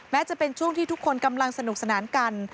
แม้จะเป็นช่วงที่ทุกคนกำลังสนุกสนานกัน